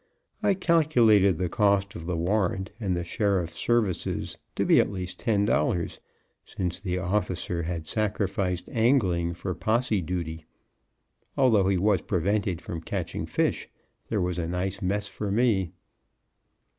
I calculated the cost of the warrant and the sheriff's services to be at least ten dollars, since the officer had sacrificed angling for posse duty; although he was prevented from catching fish, there was a nice mess for me.